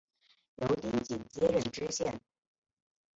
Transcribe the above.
由丁谨接任知县。